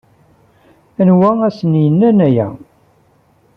Anwa ay asen-yennan aya?